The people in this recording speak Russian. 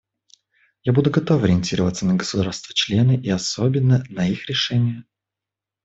Я буду готов ориентироваться на государства-члены, и особенно на их решения.